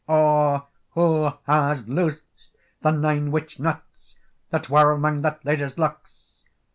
"Oh, wha has loosed the nine witch knots That were amang that ladye's locks?